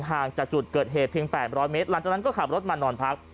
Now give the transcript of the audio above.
ห่างจากจุดเกิดเหตุเพียง๘๐๐เมตรหลังจากนั้นก็ขับรถมานอนพัก